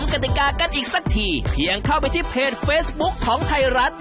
กติกากันอีกสักทีเพียงเข้าไปที่เพจเฟซบุ๊คของไทยรัฐ